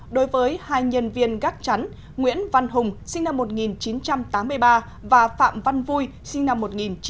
đối với hai nhân viên gác chắn nguyễn văn hùng sinh năm một nghìn chín trăm tám mươi ba và phạm văn vui sinh năm một nghìn chín trăm tám mươi